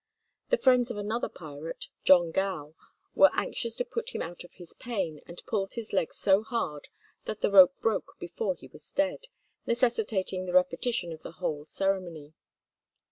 The friends of another pirate, John Gow, were anxious to put him out of his pain, and pulled his legs so hard, that the rope broke before he was dead, necessitating the repetition of the whole ceremony.